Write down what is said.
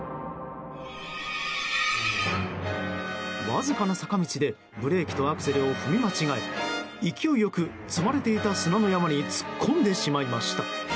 わずかな坂道でブレーキとアクセルを踏み間違え勢いよく、積まれていた砂の山に突っ込んでしまいました。